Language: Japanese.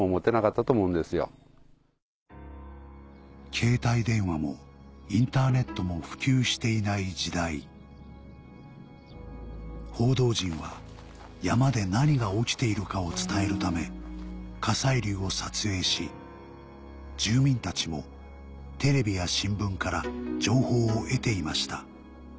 携帯電話もインターネットも普及していない時代報道陣は山で何が起きているかを伝えるため火砕流を撮影し住民たちもテレビや新聞から情報を得ていました